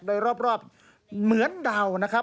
โดยรอบเหมือนดาวนะครับ